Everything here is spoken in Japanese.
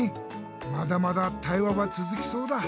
まだまだ対話はつづきそうだ。